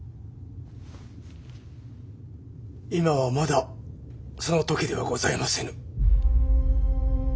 今はまだその時ではございませぬ。